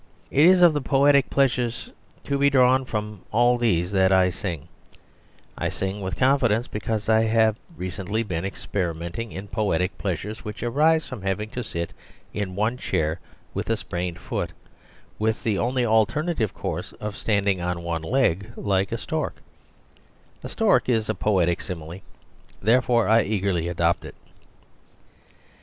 It is of the poetic pleasures to be drawn from all these that I sing I sing with confidence because I have recently been experimenting in the poetic pleasures which arise from having to sit in one chair with a sprained foot, with the only alternative course of standing on one leg like a stork a stork is a poetic simile; therefore I eagerly adopted it.